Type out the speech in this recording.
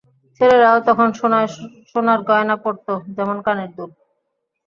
ছেলেরাও তখন সোনার গয়না পরত, যেমনঃ কানের দুল।